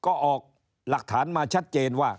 ก็ออกหลักฐานมาชัดเจนว่า